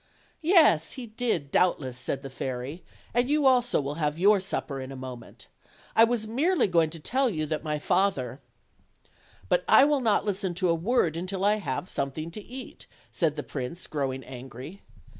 "Yes! he did doubtless," said the fairy, "and you also will have your supper in a moment. I was merely going to tell you that my father^ " "But I will not listen to a word until I have some thing to eat," said the prince, growing angry.